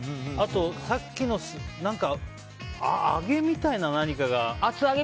あと、さっきの揚げみたいな何かが。